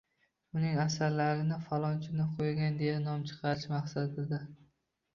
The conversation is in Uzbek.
Uning asarlarini “falonchini qo‘ygan” deya nom chiqarish maqsadida